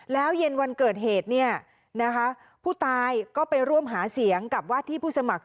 แล้วเย็นวันเกิดเหตุผู้ตายก็ไปร่วมหาเสียงกับวาดที่ผู้สมัคร